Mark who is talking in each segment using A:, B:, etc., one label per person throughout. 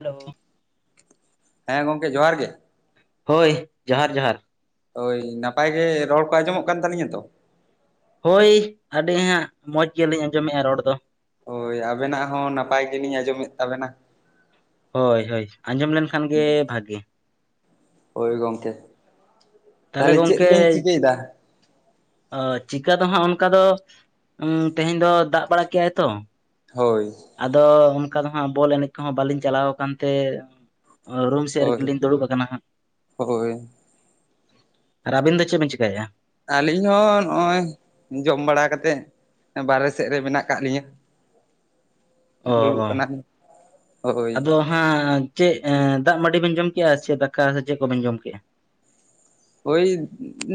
A: Hello
B: ᱦᱮᱸ ᱜᱚᱝᱠᱮ ᱡᱚᱦᱟᱨ ᱜᱮ ᱾
A: ᱦᱳᱭ ᱡᱚᱦᱟᱨ ᱡᱚᱦᱟᱨ ᱾
B: ᱦᱳᱭ ᱱᱟᱯᱟᱭ ᱜᱮ ᱨᱚᱲ ᱠᱚ ᱟᱸᱡᱚᱢᱚᱜ ᱠᱟᱱ ᱛᱟᱞᱤᱧᱟ ᱛᱚ?
A: ᱦᱳᱭ ᱟᱹᱰᱤ ᱦᱟᱸᱜ ᱢᱚᱸᱡᱽ ᱜᱮᱞᱤᱧ ᱟᱸᱡᱚᱢᱮᱫᱼᱟ ᱨᱚᱲ ᱫᱚ ᱾
B: ᱦᱳᱭ ᱟᱵᱮᱱᱟᱜ ᱦᱚᱸ ᱱᱟᱯᱟᱭ ᱜᱮᱞᱤᱧ ᱟᱸᱡᱚᱢᱮᱫ ᱛᱟᱵᱮᱱᱟ ᱾
A: ᱦᱳᱭ ᱦᱳᱭ ᱟᱸᱡᱚᱢ ᱞᱮᱱᱠᱷᱟᱱ ᱜᱮ ᱵᱷᱟᱜᱮ ᱾
B: ᱦᱳᱭ ᱜᱚᱢᱠᱮ, ᱛᱟᱦᱚᱞᱮ ᱪᱮᱫ ᱵᱮᱱ ᱪᱤᱠᱟᱹᱭᱮᱫᱟ?
A: ᱚ ᱪᱤᱠᱟ ᱫᱚ ᱦᱟᱸᱜ ᱚᱱᱠᱟ ᱫᱚ, ᱩᱸ ᱛᱮᱦᱮᱧ ᱫᱚ ᱫᱟᱜ ᱵᱟᱲᱟ ᱠᱮᱜᱼᱟᱭ ᱛᱚ ᱾
B: ᱦᱳᱭ ᱾
A: ᱟᱫᱚ ᱚᱱᱠᱟ ᱫᱚ ᱦᱟᱸᱜ ᱵᱚᱞ ᱮᱱᱮᱡ ᱠᱚᱦᱚᱸ ᱵᱟᱹᱞᱤᱧ ᱪᱟᱞᱟᱣ ᱟᱠᱟᱱ ᱛᱮ ᱚ ᱨᱩᱢ ᱥᱮᱫ ᱨᱮᱜᱮ
B: ᱦᱳᱭ
A: ᱞᱤᱧ ᱫᱩᱲᱩᱵ ᱟᱠᱟᱱᱟ ᱦᱟᱸᱜ ᱾
B: ᱦᱳᱭ
A: ᱟᱨ ᱟᱹᱵᱤᱱ ᱫᱚ ᱪᱮᱫ ᱵᱤᱱ ᱪᱤᱠᱟᱭᱮᱫᱼᱟ?
B: ᱟᱹᱞᱤᱧ ᱦᱚᱸ ᱱᱚᱜᱼᱚᱭ ᱡᱚᱢ ᱵᱟᱲᱟ ᱠᱟᱛᱮᱫ ᱵᱟᱨᱦᱮ ᱥᱮᱫ ᱨᱮ ᱢᱮᱱᱟᱜ ᱟᱠᱟᱫ ᱞᱤᱧᱟᱹ ᱾
A: ᱚ ᱚ,
B: ᱠᱟᱱᱟᱞᱤᱧ ᱦᱳᱭ
A: ᱟᱫᱚ [unintelligible] ᱪᱮᱫ ᱫᱟᱜ ᱢᱟᱹᱰᱤ ᱵᱮᱱ ᱡᱚᱢ ᱠᱮᱫᱼᱟ ᱥᱮ ᱫᱟᱠᱟ ᱥᱮ ᱪᱮᱫ ᱠᱚ ᱵᱮᱱ ᱡᱚᱢ ᱠᱮᱫᱼᱟ?
B: ᱳᱭ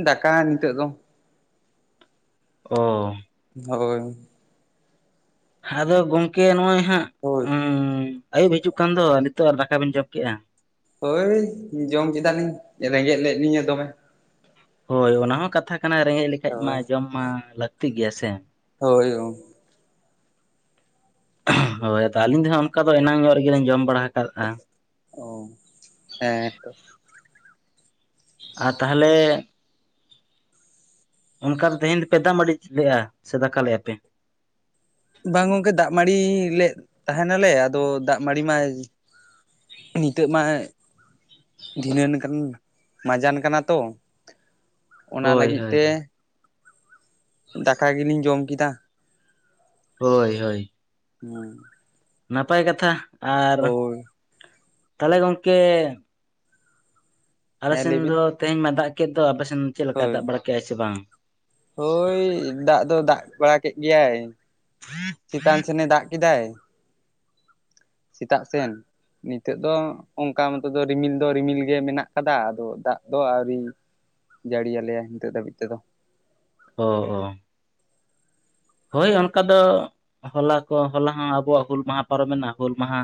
B: ᱫᱟᱠᱟ ᱱᱤᱛᱳᱜ ᱫᱚ ᱾
A: ᱚᱻ ᱾
B: ᱦᱳᱭ ᱾
A: ᱟᱫᱚ ᱜᱚᱝᱠᱮ ᱱᱚᱜᱼᱚᱭ ᱦᱟᱸᱜ
B: ᱦᱳᱭ
A: ᱦᱩ
B: ᱾
A: ᱟᱭᱩᱵ ᱦᱤᱡᱩᱜ ᱠᱟᱱ ᱫᱚ ᱱᱤᱛᱚᱜ ᱟᱨ ᱫᱟᱠᱟᱵᱤᱱ ᱡᱚᱢ ᱠᱮᱫᱼᱟ᱾
B: ᱦᱳᱭ ᱡᱚᱢ ᱠᱮᱫᱟᱞᱤᱧ ᱨᱮᱸᱜᱮᱡ ᱞᱮᱫ ᱞᱤᱧᱟᱹ ᱫᱚᱢᱮ᱾
A: ᱦᱳᱭ ᱚᱱᱟ ᱦᱚᱸ ᱠᱟᱛᱷᱟᱼᱼ ᱠᱟᱱᱟ ᱨᱮᱸᱜᱮᱡ ᱞᱮᱠᱷᱟᱡ ᱢᱟ
B: ᱦᱳᱭ
A: ᱡᱚᱢ ᱢᱟ ᱞᱟᱹᱠᱛᱤ ᱜᱮᱭᱟ ᱥᱮ᱾
B: ᱦᱳᱭ ᱚ
A: ᱦᱳᱭ ᱛᱚ ᱟᱞᱤᱧ ᱫᱚ ᱦᱟᱸᱜ ᱚᱱᱠᱟ ᱫᱚ ᱮᱱᱟᱝ ᱧᱚᱜ ᱨᱮᱜᱮᱞᱤᱧ ᱡᱚᱢ ᱵᱟᱲᱟ ᱠᱟᱜᱼᱟ᱾
B: ᱚ ᱦᱮᱸᱛᱚ,
A: ᱟᱨ ᱛᱟᱦᱚᱞᱮᱼᱼ ᱚᱱᱠᱟ ᱛᱮᱦᱮᱧ ᱫᱚ ᱯᱮ ᱫᱟᱜ ᱢᱟᱲᱤ ᱞᱮᱼᱟ ᱥᱮ ᱫᱟᱠᱟ ᱞᱮᱫᱼᱟ ᱯᱮ?
B: ᱵᱟᱝ ᱜᱚᱝᱠᱮ ᱫᱟᱜ ᱢᱟᱹᱲᱤ ᱞᱮᱜ ᱛᱟᱦᱮᱱᱟᱞᱮ ᱟᱫᱚ ᱫᱟᱜ ᱢᱟᱹᱲᱤ ᱢᱟᱼᱼ ᱱᱤᱛᱚᱜ ᱢᱟ ᱫᱷᱤᱱᱟᱹᱱ ᱠᱟᱱ ᱢᱟᱡᱟᱱ ᱠᱟᱱᱟ ᱛᱚ ᱚᱱᱟ
A: ᱦᱳᱭ
B: ᱞᱟᱹᱜᱤᱫ
A: ᱦᱳᱭ
B: ᱛᱮ ᱫᱟᱠᱟ ᱜᱮᱞᱤᱧ ᱡᱚᱢ ᱠᱮᱫᱟ᱾
A: ᱦᱳᱭ ᱦᱳᱭ᱾
B: ᱦᱩᱸ
A: ᱱᱟᱯᱟᱭ ᱠᱟᱛᱷᱟ ᱟᱨ
B: ᱦᱳᱭ
A: ᱛᱟᱦᱚᱞᱮ, ᱜᱚᱝᱠᱮ ᱟᱞᱮ
B: ᱦᱮᱸ
A: ᱥᱮᱱ
B: ᱞᱟᱹᱭ ᱵᱤᱱ
A: ᱫᱚ ᱛᱮᱦᱮᱧ ᱢᱟ ᱫᱟᱜ ᱠᱮᱫ ᱫᱚ ᱟᱞᱮ ᱥᱮᱫ ᱫᱚ ᱪᱮᱫ ᱞᱮᱠᱟᱭ
B: ᱦᱳᱭ
A: ᱫᱟᱜ ᱵᱟᱲᱟ ᱠᱮᱫᱟᱭ ᱥᱮ ᱵᱟᱝ?
B: ᱦᱳᱭ ᱫᱟᱜ ᱫᱚ ᱫᱟᱜ ᱵᱟᱲᱟ ᱠᱮᱫ ᱜᱮᱭᱟᱭ, ᱪᱮᱛᱟᱱ ᱥᱮᱱᱮ ᱫᱟᱜ ᱠᱮᱫᱟᱭ ᱥᱮᱛᱟᱜ ᱥᱮᱱ᱾ ᱱᱤᱛᱳᱜ ᱫᱚ ᱚᱱᱠᱟ ᱢᱚᱛᱚ ᱫᱚ ᱨᱤᱢᱤᱞ ᱫᱚ ᱨᱤᱢᱤᱞ ᱜᱮ ᱢᱮᱱᱟᱜ ᱟᱠᱟᱫᱟ ᱟᱫᱚ ᱫᱟᱜ ᱫᱚ ᱟᱹᱣᱨᱤ᱾ ᱡᱟᱹᱲᱤᱭ ᱟᱞᱮᱭᱟ ᱱᱤᱛᱚᱜ ᱫᱷᱟᱹᱵᱤᱡ ᱛᱮᱫᱚ᱾
A: ᱚ ᱚ ᱦᱳᱭ ᱚᱱᱠᱟ ᱫᱚ ᱦᱚᱞᱟ ᱠᱚ ᱦᱚᱞᱟ ᱦᱚᱸ ᱟᱵᱚᱣᱟᱜ ᱦᱩᱞ ᱢᱟᱦᱟ ᱯᱟᱨᱚᱵᱽ ᱢᱮᱱᱟᱜᱼᱟ ᱦᱩᱞ ᱢᱟᱦᱟᱼᱼ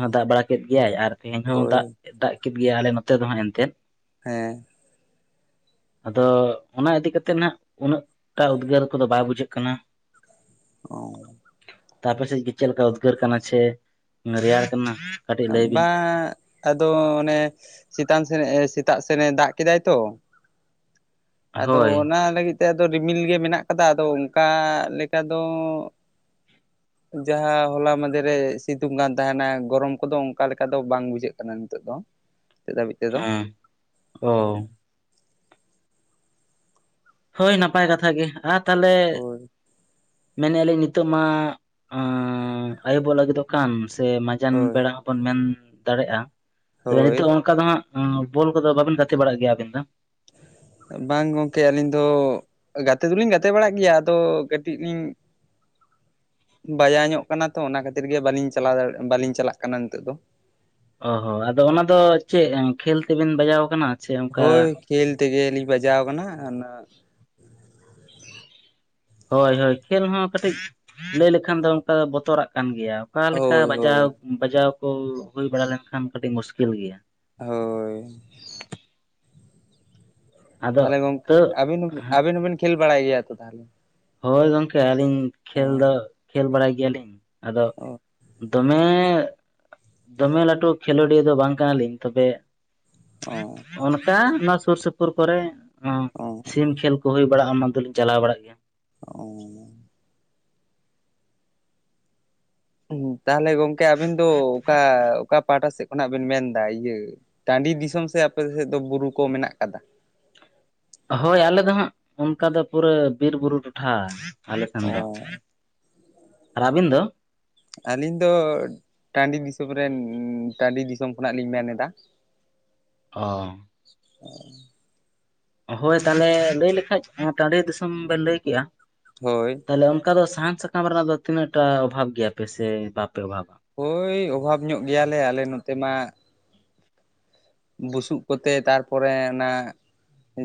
A: ᱦᱚᱸ ᱫᱟᱜ ᱵᱟᱲᱟ ᱠᱮᱫ ᱜᱮᱭᱟᱭ ᱟᱨ ᱛᱮᱦᱮᱧ ᱦᱚᱸ
B: ᱦᱳᱭ
A: ᱫᱟᱜ ᱫᱟᱜ ᱠᱮᱫ ᱜᱮᱭᱟᱭ ᱟᱞᱮ ᱱᱚᱛᱮ ᱫᱚᱦ ᱮᱱᱛᱮᱜ᱾
B: ᱦᱮᱸ
A: [inaudible] ᱟᱫᱚ ᱚᱱᱟ ᱤᱫᱤ ᱠᱟᱛᱮᱫ ᱱᱟᱜ ᱩᱱᱟᱹᱜᱴᱟ ᱩᱫᱽᱜᱟᱹᱨ ᱠᱚᱫᱚ ᱵᱟᱭ ᱵᱩᱡᱷᱟᱹᱜ ᱠᱟᱱᱟ᱾
B: ᱚ᱾
A: ᱛᱟᱨ ᱟᱯᱮᱥᱮᱫ ᱪᱮᱫ ᱞᱮᱠᱟ ᱩᱫᱽᱜᱟᱹᱨ ᱠᱟᱱᱟ ᱥᱮ ᱨᱮᱭᱟᱲ ᱠᱟᱱᱟ? ᱠᱟᱹᱴᱤᱡ ᱞᱟᱹᱭ ᱵᱤᱱ
B: ᱵᱟᱝ ᱟᱫᱚ ᱚᱱᱮ ᱪᱮᱛᱟᱱ ᱥᱮᱱ ᱥᱮᱛᱟᱜ ᱥᱮᱱᱮ ᱫᱟᱜ ᱠᱮᱫᱟᱭ ᱛᱚ, ᱟᱫᱚ
A: ᱦᱳᱭ
B: ᱚᱱᱟ ᱞᱟᱹᱜᱤᱫ ᱛᱮ ᱟᱫᱚ ᱨᱤᱢᱤᱞ ᱜᱮ ᱢᱮᱱᱟᱜ ᱠᱟᱫᱟ ᱟᱫᱚ ᱚᱱᱠᱟ ᱞᱮᱠᱟ ᱫᱚ ᱡᱟᱦᱟᱸ ᱦᱚᱞᱟ ᱢᱟᱫᱷᱮᱨᱮ ᱥᱤᱛᱩᱝ ᱠᱟᱱ ᱛᱟᱦᱮᱱᱟ ᱜᱚᱨᱚᱢᱼᱼ ᱠᱚᱫᱚ ᱚᱱᱠᱟ ᱞᱮᱠᱟ ᱫᱚ ᱵᱟᱝ ᱵᱩᱡᱷᱟᱹᱜ ᱠᱟᱱᱟ ᱱᱤᱛᱚᱜ ᱫᱚ ᱱᱤᱛ ᱫᱷᱟᱹᱵᱤᱡ ᱛᱮᱫᱚ᱾
A: ᱦᱮᱸ ᱚ ᱦᱳᱭ ᱱᱟᱯᱟᱭ ᱠᱟᱛᱷᱟ ᱜᱮ ᱟᱨ ᱛᱟᱦᱞᱮ?
B: ᱦᱳᱭ
A: ᱢᱮᱱᱮᱫᱼᱟ ᱞᱤᱧ ᱱᱤᱛᱚᱜ ᱢᱟ ᱟᱭᱩᱵᱚᱜ ᱞᱟᱹᱜᱤᱫᱚᱜ ᱠᱟᱱ ᱥᱮ? ᱡᱟᱱ
B: ᱦᱳᱭ
A: ᱵᱮᱲᱟ ᱦᱚᱸ ᱵᱚᱱ ᱢᱮᱱ ᱫᱟᱲᱮᱭᱟᱜᱼᱟ ᱛᱚᱵᱮ
B: ᱦᱳᱭ
A: ᱱᱤᱛᱚᱜᱼᱼ ᱚᱱᱠᱟ ᱫᱚ ᱦᱜ ᱵᱚᱞ ᱠᱚᱫᱚ ᱵᱟᱵᱤᱱ ᱜᱟᱛᱮ ᱵᱟᱲᱟᱜ ᱜᱮᱭᱟ ᱟᱵᱤᱱ ᱫᱚ?
B: ᱵᱟᱝ ᱜᱚᱢᱠᱮ ᱟᱹᱞᱤᱧ ᱫᱚ᱾ ᱜᱟᱛᱮ ᱫᱚᱞᱤᱧ ᱜᱟᱛᱮ ᱵᱟᱲᱟᱜ ᱜᱮᱭᱟ ᱟᱫᱚ ᱠᱟᱹᱴᱤᱡ ᱞᱤᱧᱼᱼ ᱵᱟᱡᱟ ᱧᱚᱜ ᱠᱟᱱᱟ ᱛᱚ ᱚᱱᱟ ᱠᱷᱟᱹᱛᱤᱨ ᱜᱮ ᱵᱟᱞᱤᱧ ᱪᱟᱞᱟᱣ ᱫᱟᱲᱮᱭᱟᱜ ᱵᱟᱟᱹᱞᱤᱧ ᱪᱟᱞᱟᱜ ᱠᱟᱱᱟ ᱱᱤᱛᱚᱜ ᱫᱚ
A: ᱚ ᱦᱚᱸ ᱟᱫᱚ ᱚᱱᱟ ᱫᱚ ᱪᱮᱫ ᱠᱷᱮᱞ ᱛᱮᱵᱮᱱ ᱵᱟᱡᱟᱣ ᱠᱟᱱᱟ?
B: ᱦᱳᱭ ᱠᱷᱮᱞ ᱛᱮᱜᱮ ᱞᱤᱧ ᱵᱟᱡᱟᱣ ᱟᱠᱟᱱᱟ ᱚᱱᱟ᱾
A: ᱦᱳᱭ ᱦᱳᱭ ᱠᱷᱮᱞ ᱦᱚᱸ ᱠᱟᱹᱴᱤᱡ ᱞᱟᱹᱭ ᱞᱮᱠᱷᱟᱱ ᱫᱚ ᱚᱱᱠᱟ ᱫᱚ ᱵᱚᱛᱚᱨᱟᱜ ᱠᱟᱱ ᱜᱮᱭᱟ ᱚᱠᱟᱮ ᱞᱮᱠᱟ
B: ᱦᱳᱭ ᱦᱳᱭ
A: ᱵᱟᱡᱟᱣ ᱵᱟᱡᱟᱣ ᱠᱚ ᱦᱩᱭ ᱵᱟᱲᱟ ᱞᱮᱱᱠᱷᱟᱱ ᱠᱟᱹᱴᱤᱡ ᱢᱩᱥᱠᱤᱞ ᱜᱮᱭᱟ᱾
B: ᱦᱳᱭ
A: ᱟᱫᱚ
B: ᱛᱟᱦᱚᱞᱮ ᱜᱚᱝᱠᱮ
A: ᱛᱟᱹᱣ
B: ᱟᱹᱵᱤᱱ ᱟᱵᱤᱱ ᱦᱚᱸᱵᱤᱱ ᱠᱷᱮᱞ ᱵᱟᱲᱟᱭ ᱜᱮᱭᱟ ᱛᱚ ᱛᱟᱦᱚᱞᱮ?
A: ᱦᱳᱭ ᱜᱚᱝᱠᱮ ᱟᱹᱞᱤᱧ ᱠᱷᱮᱞ
B: ᱦᱮᱸ
A: ᱫᱚ ᱠᱷᱮᱞ ᱵᱟᱲᱟᱭ ᱜᱮᱭᱟ ᱞᱤᱧ ᱟᱫᱚᱼᱼ
B: ᱚ
A: ᱫᱚᱢᱮ ᱫᱚᱢᱮ ᱞᱟᱹᱴᱩ ᱠᱷᱮᱞᱳᱰᱤᱭᱟᱹ ᱫᱚ ᱵᱟᱝ ᱠᱟᱱᱟᱞᱤᱧ ᱛᱚᱵᱮᱼᱼ
B: ᱚ
A: ᱚᱱᱠᱟ ᱱᱚᱣᱟ ᱥᱩᱨ ᱥᱩᱯᱩᱨ ᱠᱚᱨᱮ ᱥᱤᱢ ᱠᱷᱮᱞ ᱠᱚ ᱦᱩᱭ ᱵᱟᱟᱜᱼᱟ ᱢᱟ ᱫᱚᱞᱤᱧ ᱪᱟᱞᱟᱣ ᱵᱟᱲᱟᱜ ᱜᱮᱭᱟ᱾
B: ᱚ ᱩᱸᱦᱩ ᱛᱟᱦᱚᱞᱮ ᱜᱚᱢᱠᱮ ᱟᱵᱮᱱ ᱫᱚ ᱚᱠᱟ ᱚᱠᱟ ᱯᱟᱦᱴᱟ ᱥᱮᱫ? ᱠᱷᱱᱟᱜ ᱵᱮᱱ ᱢᱮᱱᱫᱟ ᱤᱭᱟᱹ ᱴᱟᱺᱰᱤ ᱫᱤᱥᱚᱢ ᱥᱮ ᱟᱯᱮ ᱥᱮᱫ ᱫᱚ ᱵᱩᱨᱩ ᱠᱚ ᱢᱮᱱᱟᱜ ᱠᱟᱫᱟ?
A: ᱦᱳᱭ ᱟᱞᱮ ᱫᱚ ᱦᱟᱸᱜ ᱚᱱᱠᱟ ᱫᱚ ᱯᱩᱨᱟᱹ ᱵᱤᱨᱵᱩᱨᱩ ᱴᱚᱴᱷᱟ ᱟᱞᱮ ᱥᱮᱱ ᱫᱚ᱾
B: ᱚ
A: ᱟᱨ ᱟᱵᱤᱱ ᱫᱚ?
B: ᱟᱹᱞᱤᱧ ᱫᱚ ᱴᱟᱺᱰᱤ ᱫᱤᱥᱚᱢ ᱨᱮᱱ ᱴᱟᱺᱰᱤ ᱫᱤᱥᱚᱢ ᱠᱷᱚᱱᱟᱜ ᱞᱤᱧ ᱢᱮᱱᱮᱫᱟ᱾
A: ᱚ
B: [inaudible]
A: ᱦᱳᱭ ᱛᱟᱦᱚᱞᱮ ᱞᱟᱹᱭ ᱞᱮᱠᱷᱟᱡ ᱴᱟᱺᱰᱤ ᱫᱤᱥᱚᱢ ᱵᱮᱱ ᱞᱟᱹᱭ ᱠᱮᱜᱼᱟ
B: ᱦᱳᱭ
A: ᱛᱟᱦᱚᱞᱮ ᱚᱱᱠᱟ ᱫᱚ ᱥᱟᱦᱟᱱ ᱥᱟᱠᱟᱢ ᱨᱮᱱᱟᱜ ᱫᱚ ᱛᱤᱱᱟᱹ ᱴᱟ ᱚᱵᱷᱟᱵᱽ ᱜᱮᱭᱟᱯᱮ ᱥᱮ ᱵᱟᱯᱮ ᱚᱵᱷᱟᱵᱟ
B: ᱦᱳᱭ ᱚᱵᱷᱟᱵᱽ ᱧᱚᱜ ᱜᱮᱭᱟᱞᱮ ᱟᱞᱮ ᱱᱚᱛᱮ ᱢᱟ᱾ ᱵᱩᱥᱩᱵ ᱠᱚᱛᱮ ᱛᱟᱨᱯᱚᱨᱮ ᱚᱱᱟ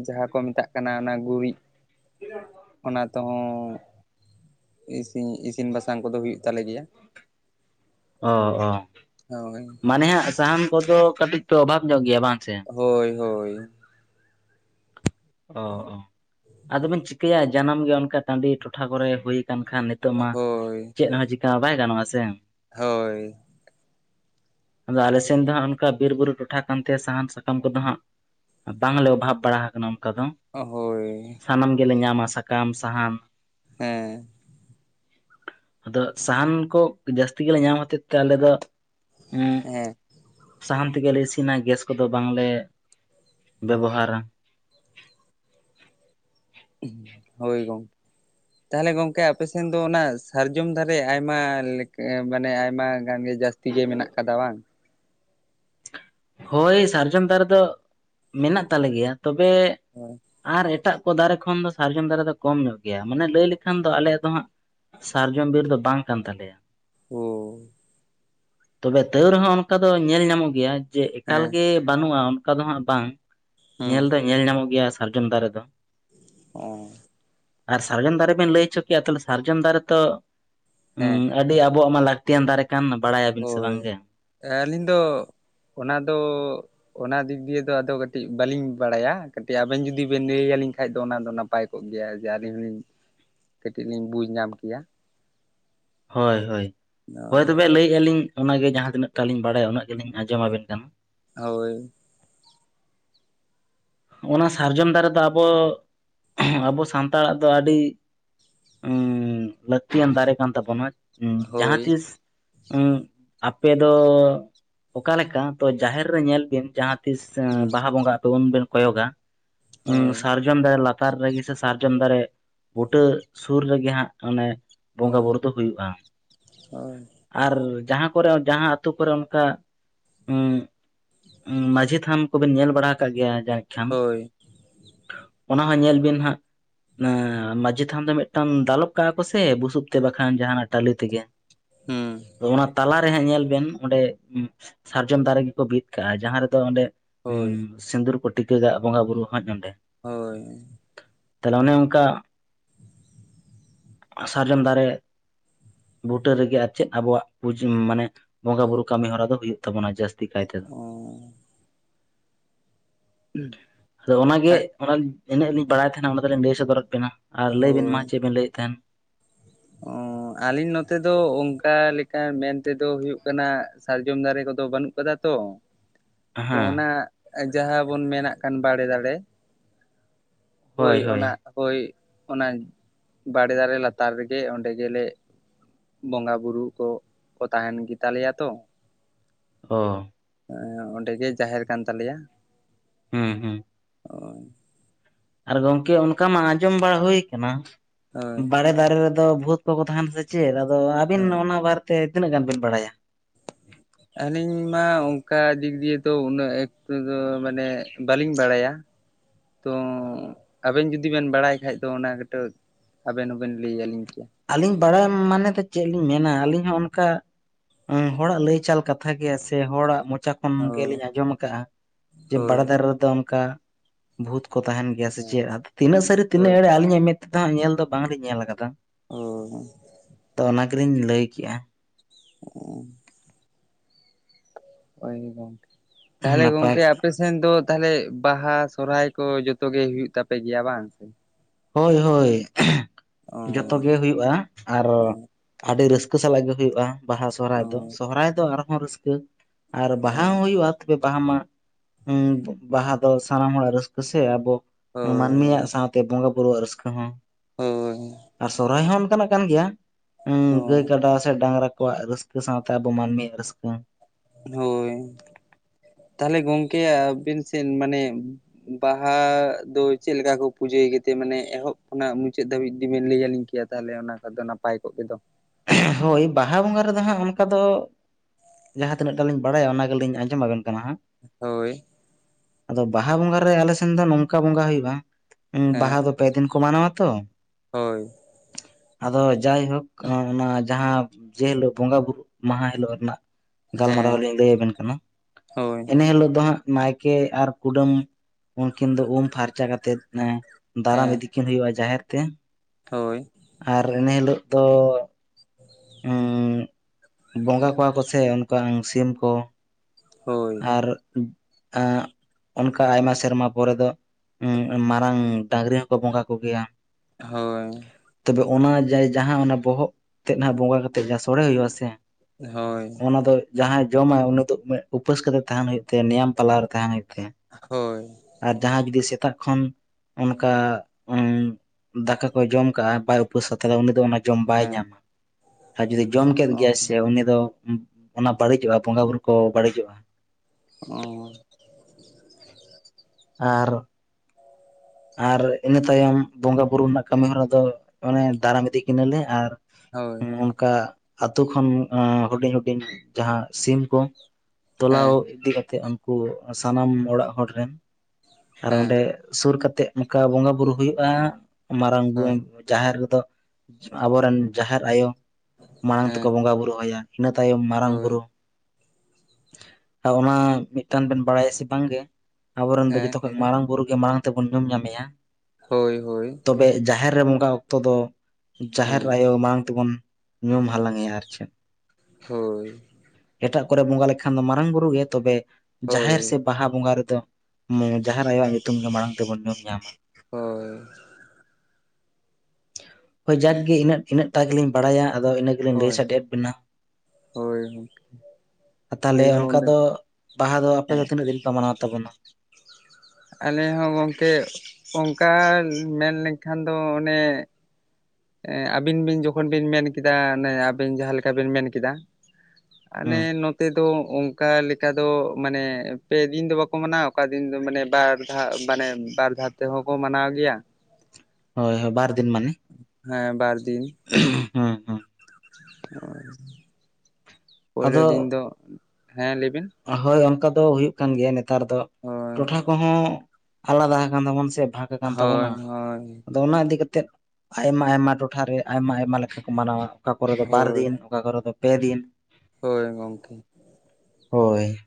B: ᱡᱟᱦᱟᱸ ᱠᱚ ᱢᱮᱛᱟᱜ ᱠᱟᱱᱟ ᱚᱱᱟ ᱜᱩᱨᱤᱡ᱾ ᱚᱱᱟ ᱛᱮᱦᱚᱸ ᱤᱥᱤᱱ ᱤᱥᱤᱱ᱾ ᱤᱥᱤᱱ ᱵᱟᱥᱟᱝ ᱠᱚᱫᱚ ᱦᱩᱭᱩᱜ ᱛᱟᱞᱮ ᱜᱮᱭᱟ᱾
A: ᱚ ᱚ
B: ᱦᱳᱭ
A: ᱢᱟᱱᱮ ᱦᱟᱸᱜ ᱥᱟᱦᱟᱱ ᱠᱚᱫᱚ ᱠᱟᱹᱴᱤᱡ ᱯᱮ ᱚᱵᱷᱟ ᱧᱚᱜ ᱜᱮᱭᱟ ᱵᱟᱝ ᱥᱮ?
B: ᱦᱳᱭ ᱦᱳᱭ
A: ᱚ ᱟᱫᱚᱵᱮᱱ ᱪᱤᱠᱟᱹᱭᱟ ᱡᱟᱱᱟᱢ ᱜᱮ ᱚᱱᱠᱟ ᱴᱟᱺᱰᱤ ᱴᱚᱴᱷᱟ ᱠᱚᱨᱮ ᱦᱩᱭ ᱠᱟᱱ ᱠᱷᱟᱱ ᱱᱤᱛ ᱛᱳᱜ ᱢᱟ
B: ᱦᱳᱭ
A: ᱪᱮᱫ ᱦᱚᱸ ᱪᱤᱠᱟᱹ ᱵᱟᱭ ᱜᱟᱱᱚᱜᱼᱟ ᱥᱮ᱾
B: ᱦᱳᱭ
A: ᱟᱫᱚ ᱟᱞᱮ ᱥᱮᱱ ᱫᱚ ᱦᱟᱸᱜ ᱚᱱᱠᱟ ᱵᱤᱨ ᱵᱩᱨᱩ ᱴᱚᱴᱷᱟ ᱠᱟᱱᱛᱮ ᱥᱟᱦᱟᱱ ᱥᱟᱠᱟᱢ ᱠᱚᱫᱚ ᱦᱟᱸᱜ ᱵᱟᱝᱞᱮ ᱚᱵᱷᱟᱵᱽ ᱵᱟᱲᱟ ᱟᱠᱟᱱᱟ ᱚᱱᱠᱟ ᱫᱚ
B: ᱚ ᱦᱳᱭ
A: ᱥᱟᱱᱟᱢ ᱜᱮᱞᱮ ᱧᱟᱢᱟ ᱥᱟᱠᱟᱢ ᱥᱟᱦᱟᱱ
B: ᱦᱮᱸ
A: ᱟᱫᱚ ᱥᱟᱦᱟᱱ ᱠᱚ ᱡᱟᱹᱥᱛᱤ ᱜᱮᱞᱮ ᱧᱟᱢ ᱦᱚᱛᱮᱫ ᱛᱮ ᱟᱞᱮ ᱫᱚ ᱩᱸᱜ
B: ᱦᱮᱸ
A: ᱥᱟᱦᱟᱱ ᱛᱮᱜᱮᱞᱮ ᱤᱥᱤᱱᱟ ᱜᱮᱥ ᱠᱚᱫᱚ ᱵᱟᱝᱞᱮ ᱵᱮᱵᱚᱦᱟᱨᱟ᱾
B: ᱦᱳᱭ ᱜᱚᱝ ᱛᱟᱦᱚᱞᱮ ᱜᱚᱝᱠᱮ ᱟᱯᱮ ᱥᱮᱱ ᱫᱚ ᱚᱱᱟ ᱥᱟᱨᱡᱚᱢ ᱫᱷᱟᱨᱮ ᱟᱭᱢᱟ ᱞᱮᱠ ᱢᱟᱱᱮ ᱟᱭᱢᱟ ᱜᱟᱱ ᱜᱮ ᱡᱟᱹᱥ ᱛᱤ ᱜᱮ ᱢᱮᱱᱟᱜ ᱠᱟᱫᱟ ᱵᱟᱝ᱾
A: ᱦᱳᱭ ᱥᱟᱨᱡᱚᱢ ᱫᱟᱨᱮ ᱫᱚ ᱢᱮᱱᱟᱜ ᱛᱟᱞᱮ ᱜᱮᱭᱟ ᱛᱚᱵᱮ
B: ᱦᱚᱸ
A: ᱟᱨ ᱮᱴᱟᱜ ᱠᱚ ᱫᱟᱨᱮ ᱠᱷᱚᱱ ᱫᱚ ᱥᱟᱨᱡᱚᱢ ᱫᱟᱨᱮ ᱫᱚ ᱠᱚᱢ ᱧᱚᱜ ᱜᱮᱭᱟ ᱢᱟᱱᱮ ᱞᱟᱹᱭ ᱞᱮᱠᱷᱟᱱ ᱫᱚ ᱟᱞᱮᱭᱟᱜ ᱫᱚ ᱦᱟᱸᱜ ᱥᱟᱨᱡᱚᱢ ᱵᱤᱨ ᱫᱚ ᱵᱟᱝ ᱠᱟᱱ ᱛᱟᱞᱮᱭᱟ
B: ᱳ
A: ᱛᱚᱵᱮ ᱛᱟᱹᱣ ᱚᱱᱠᱟ ᱫᱚ ᱧᱮᱞ ᱧᱟᱢᱚᱜ ᱜᱮᱭᱟ ᱡᱮ
B: ᱦᱮᱸ
A: ᱮᱠᱟᱞᱜᱮ ᱵᱟᱹᱱᱩᱜᱼᱟ ᱚᱱᱠᱟ ᱫᱚ ᱦᱟᱸᱜ ᱵᱟᱝ
B: ᱦᱩᱸ
A: ᱧᱮᱞ ᱛᱮᱜ ᱧᱮᱞ ᱧᱟᱢᱚᱜ ᱜᱮᱭᱟ ᱥᱟᱨᱡᱚᱢ ᱫᱟᱨᱮ ᱫᱚ
B: ᱚᱸ
A: ᱟᱨ ᱥᱟᱨᱡᱚᱢ ᱫᱟᱨᱮ ᱵᱮᱱ ᱞᱟᱹᱭ ᱦᱚᱪᱚ ᱠᱮᱭᱟ ᱛᱟᱦᱞᱮ ᱥᱟᱨᱡᱚᱢ ᱫᱟᱨᱮ ᱛᱚ ᱩᱸᱜ
B: ᱦᱮᱸ
A: ᱟᱹᱰᱤ ᱟᱵᱚᱣᱟᱜ ᱢᱟ ᱞᱟᱹᱠᱛᱤᱭᱟᱱ ᱫᱟᱨᱮ ᱠᱟᱱ ᱵᱟᱲᱟᱭᱟᱵᱤᱱ ᱥᱮ
B: ᱦᱚᱭ
A: ᱵᱟᱝᱜᱮ
B: ᱟᱹᱞᱤᱧ ᱫᱚ ᱚᱱᱟ ᱫᱚ ᱚᱱᱟ ᱫᱤᱠ ᱫᱤᱭᱮ ᱫᱚ ᱟᱫᱚ ᱠᱟᱹᱴᱤᱡ ᱵᱟᱹᱞᱤᱧ ᱵᱟᱲᱟᱭᱟ ᱠᱟᱹᱴᱤᱡ ᱟᱵᱮᱱ ᱡᱩᱫᱤ ᱵᱮᱱ ᱞᱟᱹᱭ ᱟᱹᱞᱤᱧ ᱠᱷᱟᱱ ᱫᱚ ᱚᱱᱟ ᱫᱚ ᱱᱟᱯᱟᱭ ᱠᱚᱜ ᱠᱚᱜ ᱜᱮᱭᱟ ᱡᱟ ᱟᱹᱞᱤᱧ ᱠᱟᱹᱴᱤᱡ ᱞᱤᱧ ᱵᱩᱡᱽ ᱧᱟᱢ ᱠᱮᱭᱟ
A: ᱦᱳᱭ ᱦᱳᱭ ᱦᱳᱭ ᱛᱚᱵᱮ ᱞᱟᱹᱭ ᱟᱞᱤᱧ ᱚᱱᱟ ᱜᱮ ᱡᱟᱦᱟᱸ ᱛᱤᱱᱟᱹᱜ ᱴᱟᱜ ᱞᱤᱧ ᱵᱟᱲᱟᱭᱟ ᱩᱱᱟᱹᱜ ᱜᱮᱞᱤᱧ ᱟᱸᱡᱚᱢ ᱟᱵᱮᱱ ᱠᱟᱱᱟ
B: ᱦᱳᱭ
A: ᱚᱱᱟ ᱥᱟᱨᱡᱚᱢ ᱫᱟᱨᱮ ᱫᱚ ᱟᱵᱚ ᱟᱵᱚ ᱥᱟᱱᱛᱟᱲᱟᱜ ᱫᱚ ᱟᱹᱰᱤ ᱩᱸ ᱞᱟᱹᱠᱛᱤᱭᱟᱱ ᱫᱟᱨᱮ ᱠᱟᱱ ᱛᱟᱵᱚᱱᱟ ᱡᱟᱦᱟᱸ ᱛᱤᱥ ᱩᱸ ᱟᱯᱮ ᱫᱚ ᱚᱠᱟ ᱞᱮᱠᱟ ᱛᱚ ᱡᱟᱦᱮᱨ ᱨᱮ ᱧᱮᱞ ᱵᱤᱱ ᱡᱟᱦᱟᱸ ᱛᱤᱥ ᱮᱻ
B: ᱦᱩᱸ
A: ᱵᱟᱦᱟ ᱵᱚᱸᱜᱟ ᱟᱯᱮ ᱩᱱᱵᱮᱱ ᱠᱚᱭᱚᱠᱟ ᱚᱸ
B: ᱦᱳᱭ
A: ᱥᱟᱨᱡᱚᱢ ᱥᱟᱨᱡᱚᱢ ᱫᱟᱨᱮ ᱞᱟᱛᱟᱨ ᱨᱮᱜᱮ ᱥᱮ ᱥᱟᱨᱡᱚᱢ ᱫᱟᱨᱮ ᱵᱩᱴᱟᱹ ᱥᱩᱨ ᱨᱮᱜᱮ ᱦᱟᱸᱜ ᱚᱱᱮ ᱵᱚᱸᱜᱟ
B: ᱦᱳᱭ
A: ᱵᱩᱨᱩ ᱫᱚ ᱦᱩᱭᱩᱜ-ᱟ᱾
B: ᱦᱳᱭ
A: ᱟᱨ ᱡᱟᱦᱟᱸ ᱠᱚᱨᱮ ᱡᱟᱦᱟᱸ ᱟᱹᱛᱩ ᱠᱚᱨᱮ ᱚᱱᱠᱟ ᱦᱩ ᱢᱟᱹᱡᱷᱤ ᱛᱷᱟᱱ ᱠᱚᱵᱮᱱ ᱧᱮᱞ ᱵᱟᱲᱟ ᱠᱟᱜ ᱜᱮᱭᱟ ᱡᱟᱱᱤᱡ ᱠᱷᱟᱱ
B: ᱦᱳᱭ
A: ᱚᱱᱟ ᱦᱚᱸ ᱧᱮᱞ ᱵᱤᱱ ᱦᱟᱸᱜ ᱢᱟᱺᱡᱷᱤ ᱛᱷᱟᱱ ᱫᱚ ᱢᱤᱫᱴᱟᱝ ᱫᱟᱞᱚᱵ ᱠᱟᱜ-ᱟ ᱠᱚ ᱥᱮ ᱵᱩᱥᱩᱵ ᱛᱮ ᱵᱟᱠᱷᱟᱱ ᱡᱟᱦᱟᱱᱟᱜ ᱴᱟᱹᱞᱤ ᱛᱮᱜᱮ
B: ᱦᱩᱸ
A: ᱚᱱᱟ ᱛᱟᱞᱟ ᱨᱮ ᱦᱟᱸᱜ ᱧᱮᱞ ᱵᱮᱱ ᱚᱸᱰᱮ ᱥᱟᱨᱡᱚᱢ ᱫᱟᱨᱮ ᱜᱮᱠᱚ ᱵᱤᱫ ᱠᱟᱜ-ᱟ ᱡᱟᱦᱟᱸ ᱨᱮᱫᱚ ᱚᱸᱰᱮ
B: ᱦᱳᱭ
A: ᱥᱤᱸᱫᱩᱨ ᱠᱚ [unintelligible] ᱴᱤᱠᱟᱹ ᱜᱟᱜ ᱵᱚᱸᱜᱟ ᱵᱩᱨᱩ ᱦᱟᱸᱡ ᱱᱚᱸᱰᱮ
B: ᱦᱳᱭ
A: ᱛᱟᱞᱮ ᱚᱱᱮ ᱚᱱᱠᱟ ᱥᱟᱨᱡᱚᱢ ᱫᱟᱨᱮ ᱵᱩᱴᱟᱹ ᱨᱮᱜᱮ ᱟᱨ ᱪᱮᱫ ᱟᱵᱚᱣᱟᱜ ᱯᱩᱡᱟᱹ ᱢᱟᱱᱮ ᱵᱚᱸᱜᱟ ᱵᱩᱨᱩ ᱠᱟᱹᱢᱤ ᱦᱚᱨᱟ ᱫᱚ ᱦᱩᱭᱩᱜ ᱛᱟᱵᱚᱱᱟ ᱡᱟᱹᱥᱛᱤ ᱠᱟᱭ ᱛᱮᱫᱚ
B: ᱚ [unintelligible]
A: ᱟᱫᱚ ᱚᱱᱟᱜᱮ ᱚᱱᱟᱧ ᱤᱱᱟᱹᱜ ᱞᱤᱧ ᱵᱟᱲᱟᱭ ᱛᱟᱦᱮᱱᱟ ᱚᱱᱟ ᱛᱮᱞᱤᱧ ᱞᱟᱹᱭ ᱥᱚᱫᱚᱨ ᱟᱫ ᱵᱤᱱᱟ ᱟᱨ ᱞᱟᱹᱭᱵᱤᱱ
B: ᱦᱳᱭ
A: ᱢᱟ ᱪᱮᱫ ᱵᱤᱱ ᱞᱟᱹᱭ ᱮᱫ ᱛᱟᱦᱮᱱ [inaudible]
B: ᱟᱞᱤᱧ ᱱᱚᱛᱮ ᱫᱚ ᱚᱱᱠᱟ ᱞᱮᱠᱟ ᱢᱮᱱ ᱛᱮᱫᱚ ᱦᱩᱭᱩᱜ ᱠᱟᱱᱟ ᱥᱟᱨᱡᱚᱢ ᱫᱟᱨᱮ ᱠᱚᱫᱚ ᱵᱟᱹᱱᱩᱜ ᱠᱟᱫᱟ ᱛᱚ
A: [inaudible]
B: ᱛᱚ ᱚᱱᱟ ᱡᱟᱦᱟᱸ ᱵᱚᱱ ᱢᱮᱱᱟᱜ ᱠᱟᱱ ᱵᱟᱲᱮ ᱫᱟᱲᱮ ᱦᱳᱭ ᱚᱱᱟ ᱦᱳᱭ ᱚᱱᱟ ᱵᱟᱲᱮ ᱫᱟᱨᱮ ᱞᱟᱛᱟᱨ ᱨᱮᱜᱮ ᱚᱸᱰᱮ ᱜᱮᱞᱮ ᱵᱚᱸᱜᱟ ᱵᱩᱨᱩ ᱠᱚ ᱠᱚ ᱛᱟᱦᱮᱱ ᱜᱮᱛᱟ ᱞᱮᱭᱟ ᱛᱚ᱾
A: ᱚ
B: ᱚᱸᱰᱮ ᱜᱮ ᱡᱟᱦᱮᱨ ᱠᱟᱱ ᱛᱟᱞᱮᱭᱟ
A: ᱦᱮᱸ ᱦᱮᱸ
B: ᱚ
A: ᱟᱨ ᱜᱚᱢᱠᱮ ᱚᱱᱠᱟ ᱢᱟ ᱟᱸᱡᱚᱢ ᱵᱟᱲᱟ ᱦᱩᱭᱩ ᱠᱟᱱᱟ
B: ᱦᱳᱭ
A: ᱵᱟᱲᱮ ᱫᱟᱨᱮ ᱨᱮᱫᱚ ᱵᱷᱩᱛ ᱠᱚᱠᱚ ᱛᱟᱦᱮᱱᱟ ᱥᱮ ᱪᱮᱫ ᱟᱫᱚ ᱟᱹᱵᱤᱱ
B: ᱦᱳᱭ
A: ᱚᱱᱟ ᱵᱟᱨᱮ ᱛᱮ ᱛᱤᱱᱟᱹᱜ ᱜᱟᱱ ᱵᱤᱱ ᱵᱟᱲᱟᱭᱟ?
B: ᱟᱹᱞᱤᱧ ᱢᱟ ᱚᱱᱠᱟ ᱫᱤᱠ ᱫᱤᱭᱮ ᱛᱚ ᱩᱱᱟᱹᱜ ᱮᱠᱴᱩ ᱫᱚ ᱢᱟᱱᱮ ᱵᱟᱹᱞᱤᱧ ᱵᱟᱲᱟᱭᱟ᱾ ᱛᱚ ᱟᱵᱮᱱ ᱡᱩᱫᱤ ᱵᱮᱱ ᱵᱟᱲᱟᱭ ᱠᱷᱟᱡ ᱫᱚ ᱚᱱᱟ ᱠᱟᱹᱴᱮᱡ ᱟᱵᱮᱱ ᱦᱚᱸᱵᱮᱱ ᱞᱟᱹᱭ ᱟᱞᱤᱧ ᱠᱮᱭᱟ
A: ᱟᱹᱞᱤᱧ ᱵᱟᱲᱟᱭ ᱢᱟᱱᱮ ᱫᱚ ᱪᱮᱫ ᱞᱤᱧ ᱢᱮᱱᱟ ᱟᱹᱞᱤᱧ ᱦᱚᱸ ᱚᱱᱠᱟ ᱦᱚᱲ ᱟᱜ ᱞᱟᱹᱭ ᱪᱟᱞ ᱠᱟᱛᱷᱟ ᱜᱮ ᱥᱮ ᱦᱚᱲ ᱟᱜ ᱢᱚᱪᱟ ᱠᱷᱚᱱ ᱜᱮ
B: ᱦᱳᱭ
A: ᱞᱤᱧ ᱟᱸᱡᱚᱢ ᱠᱟᱜ-ᱟ ᱡᱮ
B: ᱦᱳᱭ
A: ᱵᱟᱲᱮ ᱫᱟᱨᱮ ᱨᱮᱫᱚ ᱚᱱᱠᱟ ᱵᱷᱩᱛ ᱠᱚ ᱛᱟᱦᱮᱱ ᱜᱮᱭᱟ ᱥᱮ
B: ᱦᱮᱸ
A: ᱪᱮᱫ ᱛᱤᱱᱟᱹᱜ ᱥᱟᱹᱨᱤ ᱛᱤᱱᱟᱹᱜ
B: ᱦᱳᱭ
A: ᱮᱲᱮ ᱟᱹᱞᱤᱧᱟᱜ ᱢᱮᱫ ᱛᱮᱫᱚ ᱦᱟᱜ ᱧᱮᱞ ᱫᱚ ᱵᱟᱝ ᱞᱤᱧ ᱧᱮᱞ ᱠᱟᱫᱟ᱾
B: ᱚ
A: ᱛᱚ ᱚᱱᱟ ᱜᱮᱞᱤᱧ ᱞᱟᱹᱭ ᱠᱮᱜ-ᱟ᱾
B: [inaudible] ᱦᱳᱭ ᱜᱚᱝᱠᱮ ᱛᱟᱦᱚᱞᱮ
A: ᱱᱟᱯᱟᱭ
B: ᱜᱚᱝᱠᱮ ᱟᱯᱮ ᱟᱯᱮᱥᱮᱱ ᱫᱚ ᱛᱟᱦᱚᱞᱮ ᱵᱟᱦᱟ ᱥᱚᱨᱦᱟᱭ ᱠᱚ ᱡᱚᱛᱚᱜ ᱜᱮ ᱦᱩᱭᱩᱜ ᱛᱟᱯᱮ ᱜᱮᱭᱟ ᱵᱟᱝ ᱥᱮ
A: ᱦᱳᱭ ᱦᱳᱭ
B: ᱚ
A: ᱡᱚᱛᱚ ᱜᱮ ᱦᱩᱭᱩᱜ-ᱟ ᱟᱨ
B: ᱚ
A: ᱟᱹᱰᱤ ᱨᱟᱹᱥᱠᱟᱹ ᱥᱟᱞᱟᱜ ᱜᱮ ᱦᱩᱭᱩᱜ-ᱟ ᱵᱟᱦᱟ
B: ᱚ
A: ᱥᱚᱨᱦᱟᱭ ᱫᱚ ᱥᱚᱦᱨᱟᱭ ᱫᱚ ᱟᱨᱦᱚᱸ ᱨᱟᱹᱥᱠᱟᱹ ᱟᱨ ᱵᱟᱦᱟ
B: ᱦᱳᱭ
A: ᱦᱚᱸ ᱦᱩᱭᱩᱜ-ᱟ ᱛᱚᱵᱮ ᱵᱟᱦᱟ ᱢᱟ ᱵᱟᱦᱟ ᱫᱚ ᱥᱟᱱᱟᱢ ᱦᱚᱲᱟᱜ ᱨᱟᱹᱥᱠᱟᱹ ᱥᱮ ᱟᱵᱚ
B: ᱦᱳᱭ
A: ᱢᱟᱹᱱᱢᱤᱭᱟᱜ ᱥᱟᱶᱛᱮ ᱵᱚᱸᱜᱟ ᱵᱩᱨᱩᱣᱟᱜ ᱨᱟᱹᱥᱠᱟᱹ ᱦᱚᱸ
B: ᱦᱳᱭ ᱦᱳᱭ
A: ᱟᱨ ᱥᱚᱨᱦᱟᱭ ᱦᱚᱸ ᱚᱱᱠᱟᱱᱟᱜ ᱠᱟᱱ ᱜᱮᱭᱟ ᱜᱟᱹᱭ
B: ᱦᱳᱭ
A: ᱠᱟᱰᱟ ᱥᱮ ᱰᱟᱝᱨᱟ ᱠᱚᱣᱟᱜ ᱨᱟᱹᱥᱠᱟᱹ ᱥᱟᱶᱛᱮ ᱟᱵᱚ ᱢᱟᱹᱱᱢᱤᱭᱟᱜ ᱨᱟᱹᱥᱠᱟᱹ
B: ᱦᱳᱭ ᱛᱟᱦᱚᱞᱮ ᱜᱚᱝᱠᱮ ᱟᱵᱤᱱ ᱥᱮᱱ ᱢᱟᱱᱮ ᱵᱟᱦᱟ ᱫᱚ ᱪᱮᱫᱞᱮᱠᱟ ᱠᱚ ᱯᱩᱡᱟᱹᱭ ᱜᱮᱛᱮ ᱢᱟᱱᱮ ᱮᱦᱚᱵ ᱠᱷᱚᱱᱟᱜ ᱢᱩᱪᱟᱹᱫ ᱫᱷᱟᱹᱵᱤᱡ ᱡᱩᱫᱤᱵᱤᱱ ᱞᱟᱹᱭ ᱟᱞᱤᱧ ᱠᱮᱭᱟ? ᱛᱟᱦᱚᱞᱮ ᱚᱱᱟ ᱠᱚᱫᱚ ᱱᱟᱯᱟᱭ ᱠᱚᱜ ᱜᱮ ᱫᱚ
A: ᱦᱳᱭ ᱵᱟᱦᱟ ᱵᱚᱸᱜᱟ ᱨᱮᱫᱚ ᱦᱟᱸᱜ ᱚᱱᱠᱟ ᱫᱚ ᱡᱟᱦᱟᱸ ᱛᱤᱱᱟᱹᱜ ᱴᱟ ᱞᱤᱧ ᱵᱟᱲᱟᱭᱟ ᱚᱱᱟᱜᱮᱞᱤᱧ ᱟᱸᱡᱚᱢ ᱟᱵᱮᱱ ᱠᱟᱱᱟ ᱦᱟᱸᱜ
B: ᱦᱳᱭ
A: ᱟᱫᱚ ᱵᱟᱦᱟ ᱵᱚᱸᱜᱟ ᱨᱮ ᱟᱞᱮ ᱥᱮᱱ ᱫᱚ ᱱᱚᱝᱠᱟ ᱵᱚᱸᱜᱟ ᱦᱩᱭᱩᱜ-ᱟ ᱵᱟᱦᱟ
B: ᱦᱮᱸ
A: ᱫᱚ ᱯᱮ ᱫᱤᱱ ᱠᱚ ᱢᱟᱱᱟᱣᱟ ᱛᱚ
B: ᱦᱳᱭ
A: ᱟᱫᱚ ᱡᱟᱭᱦᱳᱠ ᱚᱱᱟ ᱚᱱᱟ ᱡᱟᱦᱟᱸ ᱡᱮ ᱦᱤᱞᱳᱜ ᱵᱚᱸᱜᱟ ᱵᱩᱨᱩᱜ ᱢᱟᱦᱟ ᱦᱤᱞᱳᱜ ᱨᱮᱱᱟᱜ ᱜᱟᱞ ᱢᱟᱨᱟᱣ
B: ᱦᱮᱸ
A: ᱞᱤᱧ ᱞᱟᱹᱭ ᱟᱵᱮᱱ ᱠᱟᱱᱟ
B: ᱦᱳᱭ
A: ᱤᱱᱟᱹ ᱦᱤᱞᱳᱜ ᱫᱚ ᱦᱟᱸᱜ ᱱᱟᱭᱠᱮ ᱟᱨ ᱠᱩᱰᱟᱹᱢ ᱩᱱᱠᱤᱱ ᱫᱚ ᱩᱢ ᱯᱷᱟᱨᱪᱟ ᱠᱟᱛᱮᱫ ᱫᱟᱨᱟᱢ
B: ᱦᱮᱸ
A: ᱤᱫᱤ ᱠᱤᱱ ᱦᱩᱭᱩᱜ-ᱟ ᱡᱟᱦᱮᱨ ᱛᱮ
B: ᱦᱳᱭ
A: ᱟᱨ ᱮᱱᱮ ᱦᱤᱞᱳᱜ ᱫᱚ
B: [inaudible]
A: ᱩᱸ ᱵᱚᱸᱜᱟ ᱠᱚᱣᱟ ᱠᱚ ᱥᱮ ᱚᱱᱠᱟ ᱥᱤᱢ ᱠᱚ
B: ᱦᱳᱭ
A: ᱟᱨ ᱟᱜ ᱚᱱᱠᱟ ᱟᱭᱢᱟ ᱥᱮᱨᱢᱟ ᱯᱚᱨᱮ ᱫᱚ ᱢᱟᱨᱟᱝ ᱰᱟᱝᱨᱤ ᱦᱚᱸᱠᱚ ᱵᱚᱸᱜᱟ ᱠᱚᱜᱮᱭᱟ
B: ᱦᱳᱭ
A: ᱛᱚᱵᱮ ᱚᱱᱟ ᱡᱟᱭ ᱡᱟᱦᱟᱸ ᱚᱱᱟ ᱵᱚᱦᱚᱜ ᱛᱮᱫ ᱦᱟᱜ ᱵᱚᱸᱜᱟ ᱠᱟᱛᱮᱫ ᱡᱟᱦᱟ ᱥᱚᱲᱮ ᱦᱩᱭᱩᱜ-ᱟ ᱥᱮ,
B: ᱦᱚᱭ
A: ᱚᱱᱟ ᱫᱚ ᱡᱟᱦᱟᱸᱭ ᱡᱚᱢᱟᱭ ᱩᱱᱤ ᱫᱚ ᱩᱯᱟᱹᱥ ᱠᱟᱛᱮᱫ ᱛᱟᱦᱮᱱ ᱦᱩᱭᱩᱜ ᱛᱟᱭᱟ ᱱᱤᱭᱟᱢ ᱯᱟᱞᱟᱣ ᱨᱮ ᱛᱟᱦᱮᱱ ᱦᱩᱭᱩᱜ ᱛᱟᱭᱟ᱾
B: ᱦᱳᱭ
A: ᱟᱨ ᱡᱟᱦᱟᱸᱭ ᱡᱩᱫᱤ ᱥᱮᱛᱟᱜ ᱠᱷᱚᱱ ᱚᱱᱠᱟ ᱫᱟᱠᱟ ᱠᱚᱭ ᱡᱚᱢ ᱠᱟᱜ-ᱟ ᱵᱟᱭ ᱩᱯᱟᱹᱥᱟ ᱛᱟᱦᱞᱮ ᱩᱱᱤ ᱫᱚ ᱚᱱᱟ ᱡᱚᱢ ᱵᱟᱭ
B: ᱦᱮᱸ
A: ᱧᱟᱢᱟ᱾ ᱟᱨ ᱡᱩᱫᱤ ᱡᱚᱢ ᱠᱮᱫ
B: ᱚ
A: ᱜᱮᱭᱟᱭ ᱥᱮ ᱩᱱᱤ ᱫᱚ ᱚᱱᱟ ᱵᱟᱹᱲᱤᱡᱚᱜ-ᱟ ᱵᱚᱸᱜᱟ ᱵᱩᱨᱩ ᱠᱚ ᱵᱟᱹᱲᱤᱡᱚᱜ-ᱟ᱾
B: ᱚ
A: ᱟᱨ ᱟᱨ ᱤᱱᱟᱹ ᱛᱟᱭᱚᱢ ᱵᱚᱸᱜᱟ ᱵᱩᱨᱩ ᱨᱮᱱᱟᱜ ᱠᱟᱢᱤ ᱦᱚᱨᱟ ᱫᱚ ᱚᱱᱮ ᱫᱟᱨᱟᱢ ᱤᱫᱤ ᱠᱤᱱᱟᱹ ᱞᱮ ᱟᱨ
B: ᱦᱳᱭ
A: ᱠᱟ ᱟᱛᱳ ᱠᱷᱚᱱ ᱦᱩᱰᱤᱧ ᱦᱩᱰᱤᱧ ᱡᱟᱦᱟᱸ ᱥᱤᱢ ᱠᱚ ᱛᱚᱞᱟᱣ
B: ᱦᱮᱸ
A: ᱤᱫᱤ ᱠᱟᱛᱮᱜ ᱩᱱᱠᱩ, ᱥᱟᱱᱟᱢ ᱚᱲᱟᱜ ᱦᱚᱲ ᱨᱮᱱ ᱟᱨ
B: ᱦᱮᱸ
A: ᱚᱸᱰᱮ ᱥᱩᱨ ᱠᱟᱛᱮᱜ ᱚᱱᱠᱟ ᱵᱚᱸᱜᱟ ᱵᱩᱨᱩ ᱦᱩᱭᱩᱜ-ᱟ ᱢᱟᱨᱟᱝ ᱵᱩ
B: ᱦᱳᱭ
A: ᱡᱟᱦᱮᱨ ᱨᱮᱫᱚ ᱟᱵᱚᱨᱮᱱ ᱡᱟᱦᱮᱨ ᱟᱭᱳ ᱢᱟᱲᱟᱝ ᱛᱮᱠᱚ
B: ᱦᱮᱸ
A: ᱵᱚᱸᱜᱟ ᱵᱩᱨᱩ ᱦᱟᱭᱟ᱾ ᱤᱱᱟᱹ ᱛᱟᱭᱚᱢ ᱢᱟᱨᱟᱝ
B: ᱦᱳᱭ
A: ᱵᱩᱨᱩ ᱟᱨ ᱚᱱᱟ ᱢᱤᱫᱴᱟᱱ ᱵᱮᱱ ᱵᱟᱲᱟᱭᱟ ᱥᱮ ᱵᱟᱝᱜᱮ? ᱟᱵᱚᱨᱮᱱ ᱫᱚ
B: ᱦᱮᱸ
A: ᱡᱚᱛᱚᱠᱷᱚᱡ
B: ᱞᱟᱹᱭᱵᱮᱱ
A: ᱢᱟᱨᱟᱝ ᱵᱩᱨᱩ ᱜᱮ ᱢᱟᱲᱟᱝ ᱛᱮᱵᱚᱱ ᱧᱩᱢ ᱧᱟᱢᱮᱭᱟ᱾
B: ᱦᱳᱭ ᱦᱳᱭ
A: ᱛᱚᱵᱮ ᱡᱟᱦᱮᱨ ᱨᱮ ᱵᱚᱸᱜᱟ ᱚᱠᱛᱚ ᱫᱚ ᱡᱟᱦᱮᱨ
B: ᱦᱮᱸ
A: ᱟᱭᱚ ᱢᱟᱲᱟᱝ ᱛᱮᱵᱚᱱ ᱧᱩᱢ ᱦᱟᱞᱟᱝ ᱮᱭᱟ ᱟᱨ ᱪᱮᱫ
B: ᱦᱳᱭ
A: ᱮᱴᱟᱜ ᱠᱚᱨᱮ ᱵᱚᱸᱜᱟ ᱞᱮᱠᱷᱟᱱ ᱫᱚ ᱢᱟᱨᱟᱝ ᱵᱨ ᱜᱮ ᱛᱚᱵᱮ
B: ᱦᱳᱭ
A: ᱡᱟᱦᱮᱨ ᱥᱮ ᱵᱟᱦᱟ ᱵᱚᱸᱜᱟ ᱨᱮᱫᱚ ᱡᱨ ᱟᱭᱚᱣᱟᱜ ᱧᱩᱛᱩᱢ ᱜᱮ ᱢᱟᱲᱟᱝ ᱛᱮᱵᱚᱱ ᱧᱩᱚᱢ ᱧᱟᱢᱟ᱾
B: ᱦᱳᱭ
A: ᱦᱳᱭ ᱡᱟᱠᱜᱮ ᱤᱱᱟᱹᱜ ᱤᱱᱟᱹᱜ ᱴᱟᱜ ᱜᱮᱞᱤᱧ ᱵᱟᱲᱟᱭᱟ ᱟᱫᱚ ᱤᱱᱟᱹ ᱜᱮᱞᱤᱧ ᱞᱟᱹᱭ
B: ᱦᱳᱭ
A: ᱥᱟᱰᱮᱭᱟᱫ ᱵᱮᱱᱟ
B: ᱦᱳᱭ
A: ᱛᱟᱦᱞᱮ
B: ᱟᱹᱞᱤᱧ
A: ᱚᱱᱠᱟ
B: ᱦᱚᱸ
A: ᱫᱚ ᱵᱟᱦᱟ ᱫᱚ ᱟᱯᱮ
B: ᱦᱮᱸ
A: ᱫᱚ ᱛᱤᱱᱟᱹᱜ ᱫᱤᱱ ᱯᱮ ᱢᱟᱱᱟᱣ ᱛᱟᱵᱚᱱᱟ?
B: ᱟᱞᱮ ᱦᱚᱸ ᱜᱚᱝᱠᱮ ᱚᱱᱠᱟ ᱢᱮᱱ ᱞᱮᱝᱠᱷᱟᱱ ᱫᱚ ᱚᱱᱮ ᱮ ᱟᱹᱵᱤᱱ ᱵᱤᱱ ᱡᱚᱠᱷᱚᱱ ᱵᱤᱱ ᱢᱮᱱ ᱠᱮᱫᱟ ᱚᱱᱮ ᱟᱵᱤᱱ ᱡᱟᱦᱟᱸ ᱞᱮᱠᱟ ᱵᱤᱱ ᱢᱮᱱ ᱠᱮᱫᱟ ᱟᱱᱮ
A: ᱦᱩᱸ
B: ᱱᱚᱛᱮ ᱛᱚ ᱚᱝᱠᱟ ᱞᱮᱠᱟ ᱫᱚ ᱢᱟᱱᱮ ᱯᱮᱫᱤᱱ ᱫᱚ ᱵᱟᱠᱚ ᱢᱟᱱᱟᱣᱟ ᱚᱠᱟ ᱫᱤᱱ ᱫᱚ ᱢᱟᱱᱮ ᱵᱟᱨ ᱫᱟᱷ ᱢᱟᱱᱮ ᱵᱟᱨ ᱫᱷᱟᱨ ᱛᱮᱦᱚᱸ ᱠᱚ ᱢᱟᱱᱟᱣ ᱜᱮᱭᱟ,
A: ᱦᱳᱭ ᱦᱳᱭ ᱵᱟᱨ ᱫᱤᱱ ᱢᱟᱱᱮ
B: ᱦᱮᱸ ᱵᱟᱨ ᱫᱤᱱ᱾
A: ᱦᱩᱸ ᱦᱩᱸ᱾ ᱟᱫᱚ
B: ᱯᱳᱭᱞᱳ ᱫᱤᱱ ᱫᱚ, ᱦᱮᱸ ᱞᱟᱹᱭᱵᱤᱱ᱾
A: ᱦᱳᱭ ᱚᱱᱠᱟ ᱫᱚ ᱦᱩᱭᱩᱜ ᱠᱟᱱ ᱜᱮᱭᱟ ᱱᱮᱛᱟᱨ ᱫᱚ,
B: ᱦᱳᱭ
A: ᱴᱚᱴᱷᱟ ᱠᱚᱦᱚᱸ ᱟᱞᱟᱫᱟ ᱠᱟᱱ ᱛᱟᱵᱚᱱᱟ ᱥᱮ ᱵᱷᱟᱜᱽ ᱟᱠᱟᱱ
B: ᱦᱳᱭ
A: ᱛᱟᱵᱚᱱᱟ,
B: ᱦᱳᱭ
A: ᱟᱫᱚ ᱚᱱᱟ ᱤᱫᱤ ᱠᱟᱛᱮᱫ ᱟᱭᱢᱟ ᱟᱭᱢᱟ ᱴᱚᱴᱷᱟ ᱨᱮ ᱟᱭᱢᱟ ᱟᱭᱢᱟ ᱞᱮᱠᱟ ᱠᱚ ᱢᱟᱱᱟᱣᱼᱟ ᱚᱠᱟ ᱠᱚᱨᱮ ᱫᱚ ᱵᱟᱨ
B: ᱦᱳᱭ
A: ᱫᱤᱱ ᱚᱠᱟ ᱠᱚᱨᱮ ᱫᱚ ᱯᱮ ᱫᱤᱱ
B: ᱦᱳᱭ ᱜᱚᱝᱠᱮ,
A: ᱦᱳᱭ᱾